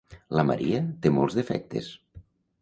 La Maria té molts defectes.